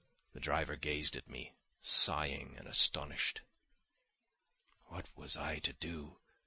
The driver gazed at me, sighing and astonished. What was I to do?